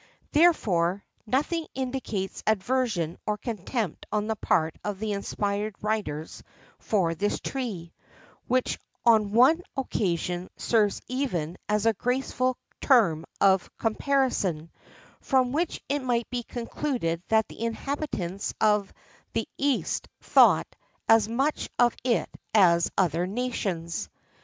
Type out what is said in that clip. Therefore, nothing indicates aversion or contempt on the part of the inspired writers for this tree, which on one occasion serves even as a graceful term of comparison;[XIII 20] from which it might be concluded that the inhabitants of the east thought as much of it as other nations.